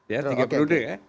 ya tiga peruduk ya